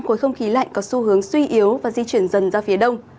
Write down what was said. khối không khí lạnh có xu hướng suy yếu và di chuyển dần ra phía đông